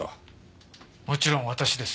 もちろん私です。